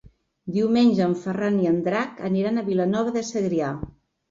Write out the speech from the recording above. Diumenge en Ferran i en Drac aniran a Vilanova de Segrià.